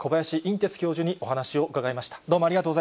てつ教授にお話を伺いました。